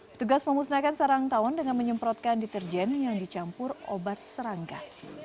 petugas memusnahkan sarang tawon dengan menyemprotkan deterjen yang dicampur obat serangga